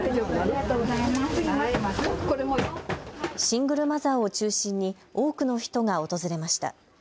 シングルマザーを中心に多くの人が訪れました。